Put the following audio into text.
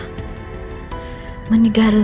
ini kayaknya keluarga bu sarah